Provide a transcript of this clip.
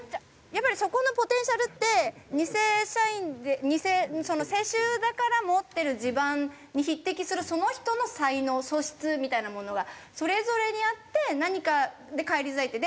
やっぱりそこのポテンシャルって２世世襲だから持ってる地盤に匹敵するその人の才能素質みたいなものがそれぞれにあって何かで返り咲いて。